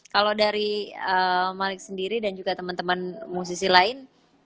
kalo dari malik sendiri dan juga temen temen musisi lain